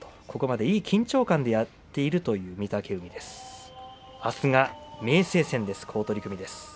ここまでは、いい緊張感で相撲を取っているという御嶽海あすは明生戦です。